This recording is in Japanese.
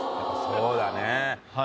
そうだね。